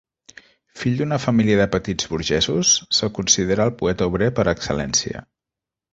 Fill d'una família de petits burgesos, se'l considera el poeta obrer per excel·lència.